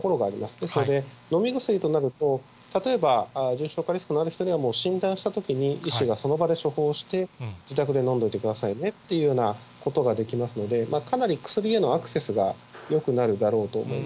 ですので、飲み薬となると、例えば重症化リスクのある人にはもう診断したときに、医師がその場で処方して、自宅で飲んどいてくださいねということができますので、かなり薬へのアクセスがよ